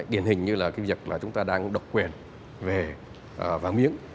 điển hình như là cái việc là chúng ta đang độc quyền về vàng miếng